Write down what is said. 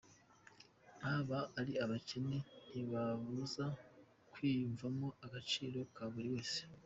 Kuba ari abakene ntibibabuza kwiyumvamo agciro ka buri wese.